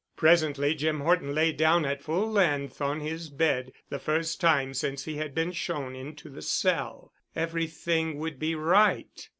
Presently Jim Horton lay down at full length on his bed—the first time since he had been shown into the cell. Everything would be right.